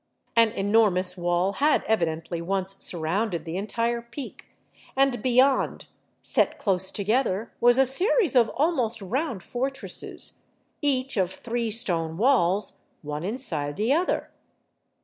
An enormous wall had evidently once surrounded the en tire peak, and beyond, set close together, was a series of almost round fortresses, each of three stone walls, one inside the other.